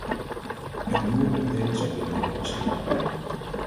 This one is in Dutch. Een nieuwe update zal binnenkort beschikbaar komen.